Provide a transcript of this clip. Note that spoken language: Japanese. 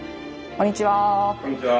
こんにちは。